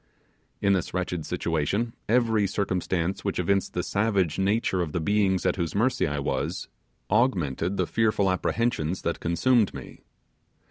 In this wretched situation, every circumstance which evinced the savage nature of the beings at whose mercy I was, augmented the fearful apprehensions that consumed me.